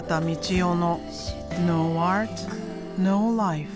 生のｎｏａｒｔ，ｎｏｌｉｆｅ。